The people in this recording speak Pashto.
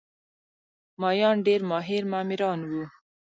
مایان ډېر ماهر معماران وو.